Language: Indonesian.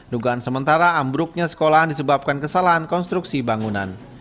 dugaan sementara ambruknya sekolahan disebabkan kesalahan konstruksi bangunan